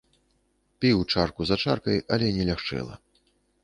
Піў чарку за чаркай, але не лягчэла.